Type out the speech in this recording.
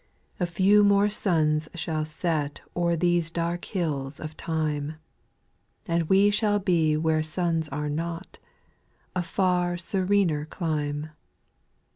} 2. A few more suns shall set O'er these dark hills of time ; And we shall be where suns are not, A far serener clime.